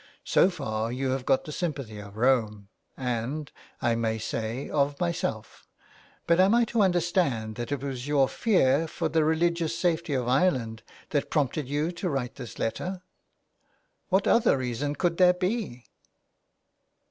So far you have got the 192 A LETTER TO ROME. sympathy of Rome, and, I may say of myself ; but am I to understand that it was your fear for the religious safety of Ireland that prompted you to write this letter ?"'* What other reason could there be